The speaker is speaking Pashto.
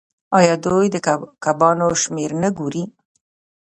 آیا دوی د کبانو شمیر نه ګوري؟